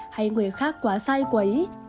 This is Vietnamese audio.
hay người khác quá sai quấy